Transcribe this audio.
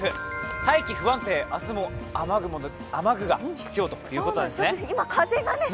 大気不安定、明日も雨具が必要ということなんですね。